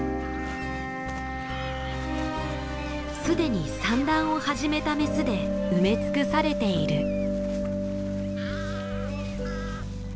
すでに産卵を始めたメスで埋め尽くされている。